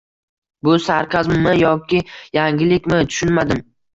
Bu sarkazmmi yoki yangilikmi, tushunmadim